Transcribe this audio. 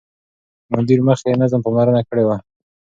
مدیر مخکې د نظم پاملرنه کړې وه.